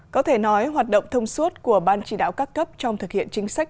có thể nói hoạt động thông suốt của ban chỉ đạo các cấp trong thực hiện chính sách